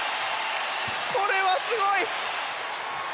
これはすごい！